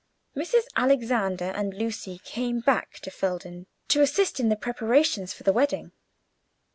Mrs. Alexander and Lucy came back to Felden to assist in the preparations for the wedding.